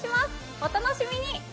お楽しみに！